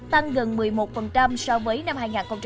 tăng gần một mươi một so với năm hai nghìn một mươi tám